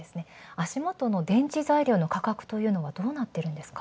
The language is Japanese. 足元の電池材料の価格というのはどうなっているんですか。